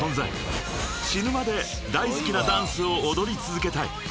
［死ぬまで大好きなダンスを踊り続けたい］